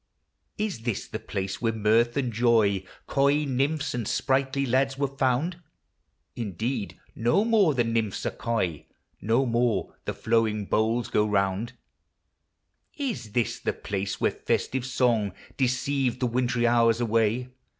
Is this the place where mirth and joy, Coy nymphs, and sprightly lads were found ? Indeed ! no more the nymphs are coy, No more the flowing bowls go round. Is this the place where festive song Deceived the wintry hours away